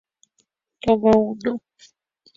Toma uno.